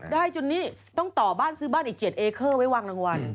ได้จนนี่ต้องต่อบ้านซื้อบ้านอีก๗เอเคอร์ไว้วางรางวัล